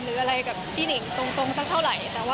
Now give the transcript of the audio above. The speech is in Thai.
หรืออะไรกับพี่เน่งตรงสักเท่าไหร่